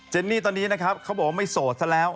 นี่ตอนนี้นะครับเขาบอกว่าไม่โสดซะแล้ว